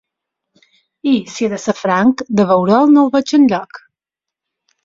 I, si he de ser franc, de veure'l no el veig enlloc.